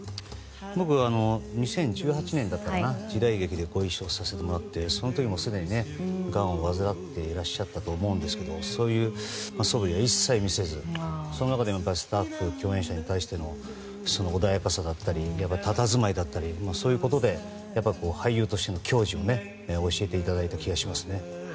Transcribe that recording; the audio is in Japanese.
僕、２０１８年だったかな時代劇でご一緒させてもらってその時はすでにがんを患っていらっしゃったと思いますがそういうそぶりは一切見せずその中でもスタッフ、共演者に対しても穏やかさだったりたたずまいだったりそういうことで俳優としての矜持を教えていただいた気がしますね。